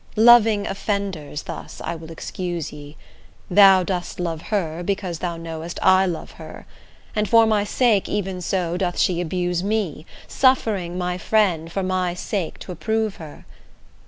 Loving offenders thus I will excuse ye: Thou dost love her, because thou know'st I love her; And for my sake even so doth she abuse me, Suffering my friend for my sake to approve her.